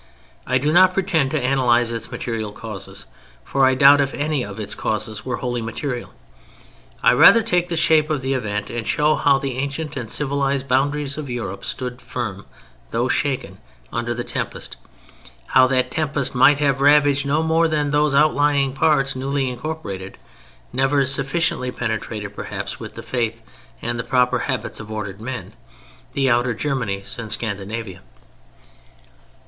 I do not pretend to analyze its material causes, for I doubt if any of its causes were wholly material. I rather take the shape of the event and show how the ancient and civilized boundaries of Europe stood firm, though shaken, under the tempest; how that tempest might have ravaged no more than those outlying parts newly incorporated—never sufficiently penetrated perhaps with the Faith and the proper habits of ordered men—the outer Germanies and Scandinavia.